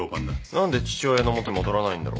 何で父親の元に戻らないんだろう。